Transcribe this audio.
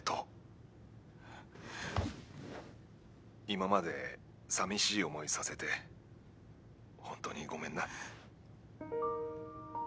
今までさみしい思いさせてホントにごめんな。